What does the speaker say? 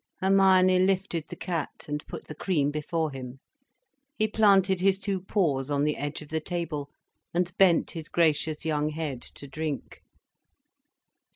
Hermione lifted the cat and put the cream before him. He planted his two paws on the edge of the table and bent his gracious young head to drink.